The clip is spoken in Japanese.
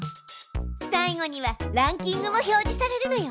最後にはランキングも表示されるのよ。